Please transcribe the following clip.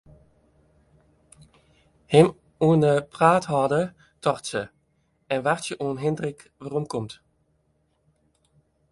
Him oan 'e praat hâlde, tocht se, en wachtsje oant Hindrik weromkomt.